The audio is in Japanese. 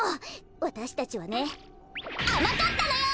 わたしたちはねあまかったのよ！